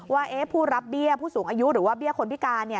ว่าผู้รับเบี้ยผู้สูงอายุหรือว่าเบี้ยคนพิการ